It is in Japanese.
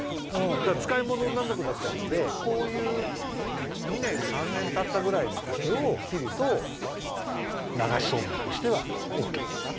でつかいものになんなくなっちゃうのでこういう２年３年たったぐらいの竹をきるとながしそうめんとしてはオッケーなんだ。